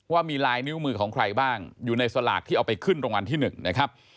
ว่ามีลายนิ้วมือของใครบ้างอยู่ในสลากที่เอาไปขึ้นรางวัลที่๑นะครับ